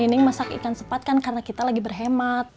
ini masak ikan sepat kan karena kita lagi berhemat